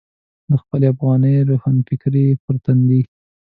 د خپلې افغاني روښانفکرۍ پر تندي.